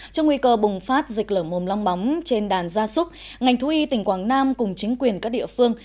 trong nguy cơ bùng phát dịch lở mồm long bóng trên đàn gia súc ngành thú y tỉnh quảng nam cùng chính quyền các địa phương